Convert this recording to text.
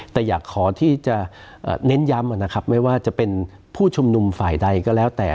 แต่อยากขอที่จะเน้นย้ำนะครับไม่ว่าจะเป็นผู้ชุมนุมฝ่ายใดก็แล้วแต่